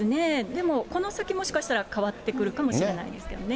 でもこの先、もしかしたら変わってくるかもしれないですけどね。